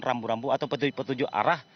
rambu rambu atau petunjuk arah